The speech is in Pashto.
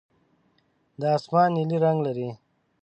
دا اسمان نیلي رنګ لري.